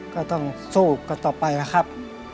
ก็ต้องสู้กันต่อไปนะครับ